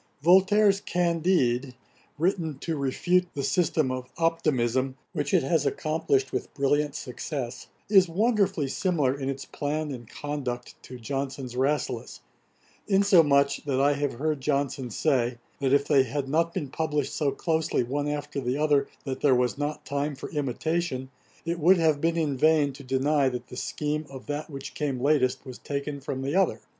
Voltaire's Candide, written to refute the system of Optimism, which it has accomplished with brilliant success, is wonderfully similar in its plan and conduct to Johnson's Rasselas; insomuch, that I have heard Johnson say, that if they had not been published so closely one after the other that there was not time for imitation, it would have been in vain to deny that the scheme of that which came latest was taken from the other.